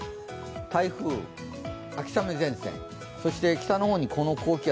台風、秋雨前線、そして北の方に高気圧。